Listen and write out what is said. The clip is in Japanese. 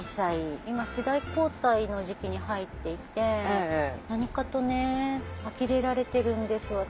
今世代交代の時期に入っていて何かとあきれられてるんです私。